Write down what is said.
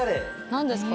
何ですか？